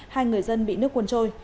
hai người dân bị nước cuốn trôi